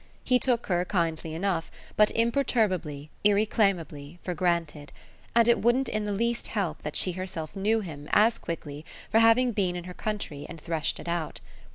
He took her, kindly enough, but imperturbably, irreclaimably, for granted, and it wouldn't in the least help that she herself knew him, as quickly, for having been in her country and threshed it out.